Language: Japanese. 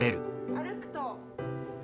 歩くと。